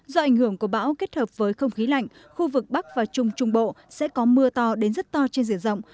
do ảnh hưởng của bão kết hợp với không khí lạnh khu vực bắc và trung trung bộ sẽ có mưa to đến rất to trên diện rộng